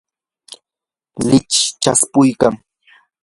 lichiy chaspuykan.